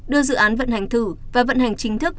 đưa dự án vận hành thử và vận hành chính thức